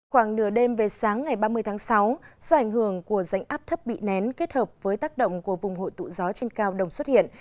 khoảng nửa đêm về sáng ngày ba mươi tháng sáu do ảnh hưởng của rãnh áp thấp bị nén kết hợp với tác động của vùng hội tụ gió trên cao đồng xuất hiện